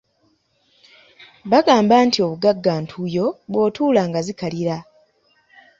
Bagamba nti obugagga ntuuyo bw'otuula nga zikalira.